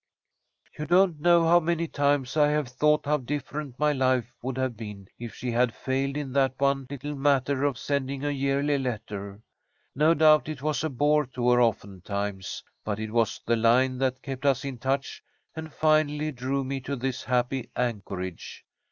"You don't know how many times I've thought how different my life would have been if she had failed in that one little matter of sending a yearly letter. No doubt it was a bore to her oftentimes, but it was the line that kept us in touch and finally drew me to this happy anchorage.